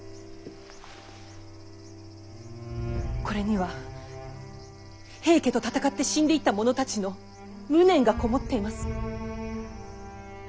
これには平家と戦って死んでいった者たちの無念が籠もっています。